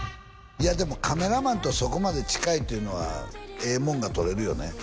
いやでもカメラマンとそこまで近いというのはええもんが撮れるよね